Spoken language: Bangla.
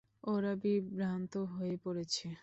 ওরা বিভ্রান্ত হয়ে পড়েছে।